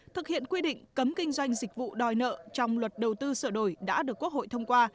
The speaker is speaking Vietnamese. thực hiện quy định cấm kinh doanh dịch vụ đòi nợ trong luật đầu tư sửa đổi đã được quốc hội thông qua